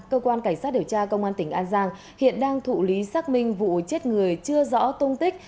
cơ quan cảnh sát điều tra công an tỉnh an giang hiện đang thụ lý xác minh vụ chết người chưa rõ tung tích